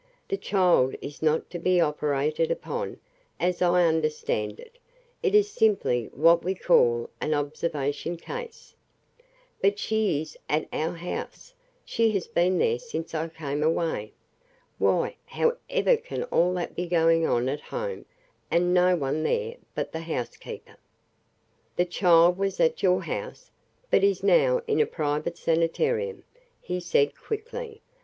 The child is not to be operated upon, as I understand it. It is simply what we call an observation case." "But she is at our house she has been there since I came away. Why, however can all that be going on at home and no one there but the housekeeper " "The child was at your house, but is now in a private sanitarium," he said quickly.